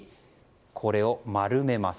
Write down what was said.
これを丸めます。